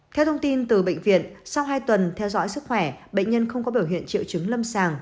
theo thông tin từ bệnh viện sau hai tuần theo dõi sức khỏe bệnh nhân không có biểu hiện triệu chứng lâm sàng